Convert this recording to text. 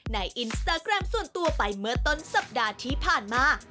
ในอินสตาแกรมส่วนตัวไปเมื่อต้นสัปดาห์ที่ผ่านมา